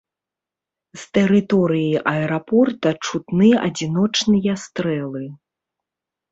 З тэрыторыі аэрапорта чутны адзіночныя стрэлы.